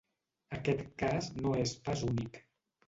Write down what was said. Aquest cas no és pas únic.